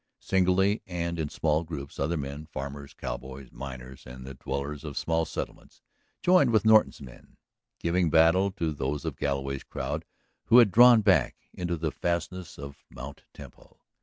Singly and in small groups other men, farmers, cowboys, miners, and the dwellers of small settlements, joined with Norton's men, giving battle to those of Galloway's crowd who had drawn back into the fastnesses of Mt. Temple.